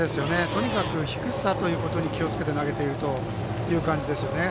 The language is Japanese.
とにかく、低さに気をつけて投げているという感じですよね。